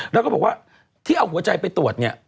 แล้วก็บอกว่าที่เอาหัวใจไปตรวจเนี่ย